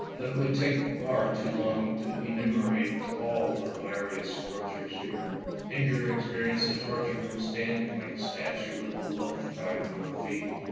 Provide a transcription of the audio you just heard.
But it would take far too long to enumerate all the various tortures here. Inger experienced the torture of standing like a statue with a loaf tied to her feet.